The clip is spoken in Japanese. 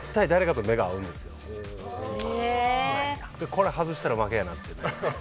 「これ外したら負けやな」ってなります。